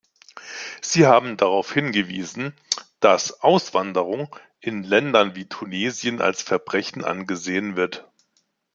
Sie haben darauf hingewiesen, dass Auswanderung in Ländern wie Tunesien als Verbrechen angesehen wird.